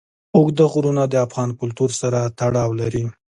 اوږده غرونه د افغان کلتور سره تړاو لري.